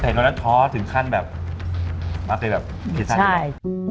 แผ่นน้อยนัดท้อถึงขั้นแบบมากเลยแบบพิสัยแบบใช่